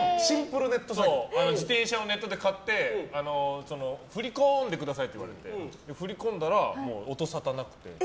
自転車をネットで買って振り込んでくださいって言われて振り込んだら、音沙汰なくて。